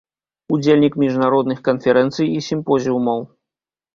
Удзельнік міжнародных канферэнцый і сімпозіумаў.